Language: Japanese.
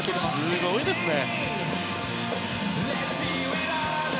すごいですね。